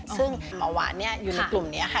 ซึ่งหมอหวานอยู่ในกลุ่มนี้ค่ะ